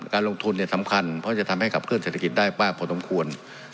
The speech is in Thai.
การลงทุนสำคัญเพราะจะทำให้ขับเคลื่อเศรษฐกิจได้มากพอสมควร